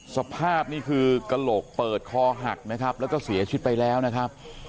สภาพนี่คือกระโหลกเปิดคอหักนะครับแล้วก็เสียชีวิตไปแล้วนะครับ